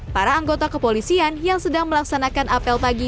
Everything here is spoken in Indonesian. para anggota kepolisian yang sedang melaksanakan apel pagi